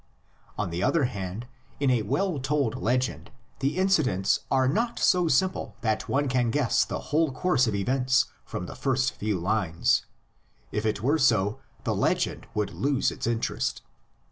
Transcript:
On the other hand, in a well told legend the inci dents are not so simple that one can guess the whole course of events from the first few words; if it were so, the legend would lose its interest.